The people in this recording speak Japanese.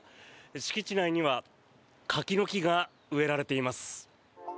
敷地内には柿の木が植えられています。